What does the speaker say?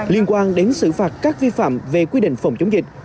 liên quan đến xử phạt các vi phạm về quy định phòng chống dịch